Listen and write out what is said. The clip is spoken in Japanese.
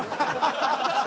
ハハハハ！